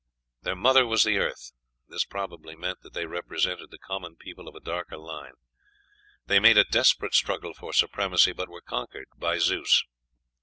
Their mother was the earth: this probably meant that they represented the common people of a darker line. They made a desperate struggle for supremacy, but were conquered by Zeus.